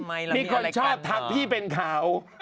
มีคนชอบทักพี่เป็นเขา